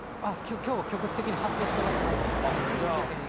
きょうは局地的に発生してますんでね、天気急変、要注意です。